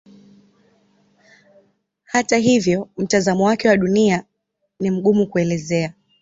Hata hivyo mtazamo wake wa Dunia ni mgumu kuelezea.